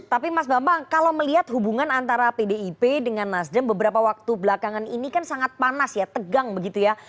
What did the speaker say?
tapi mas bambang kalau melihat hubungan antara pdip dengan nasdem beberapa waktu belakangan ini kan sangat panas ya tegang begitu ya